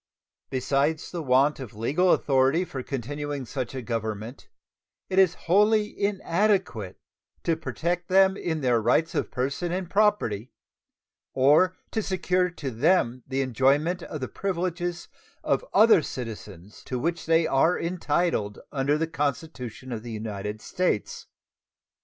Besides the want of legal authority for continuing such a government, it is wholly inadequate to protect them in their rights of person and property, or to secure to them the enjoyment of the privileges of other citizens, to which they are entitled under the Constitution of the United States.